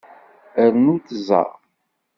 Rnu tẓa.